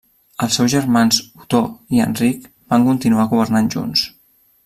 Els seus germans Otó i Enric van continuar governant junts.